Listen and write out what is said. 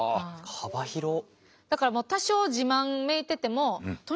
幅広っ。